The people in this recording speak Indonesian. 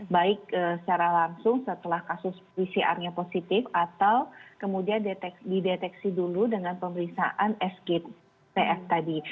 baik secara langsung setelah kasus pcr nya positif atau kemudian dideteksi dulu dengan pemeriksaan sgtf tadi